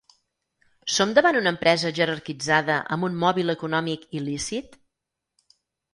Som davant una empresa jerarquitzada amb un mòbil econòmic il·lícit?